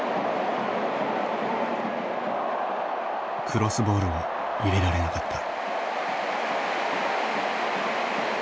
クロスボールを入れられなかった。